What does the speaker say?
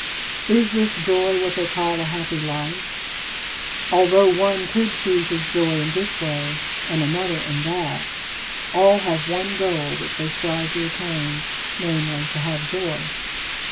Is this joy what they call a happy life? Although one could choose his joy in this way and another in that, all have one goal which they strive to attain, namely, to have joy.